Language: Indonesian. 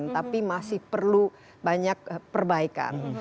tapi masih perlu banyak perbaikan